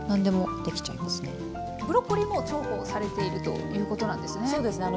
ブロッコリーも重宝されているということなんですね。